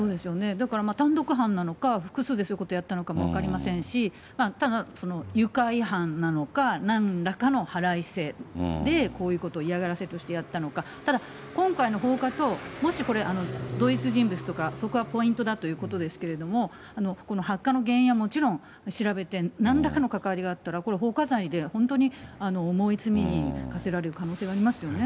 だから単独犯なのか、複数でそういうことやったのかも分かりませんし、ただ、愉快犯なのか、なんらかの腹いせでこういうことを嫌がらせとしてやったのか、ただ今回の放火と、もしこれ、同一人物とか、そこがポイントだということですけれども、この発火の原因はもちろん調べて、なんらかの関わりがあったらこれ、放火罪で本当に重い罪に科せられる可能性ありますよね。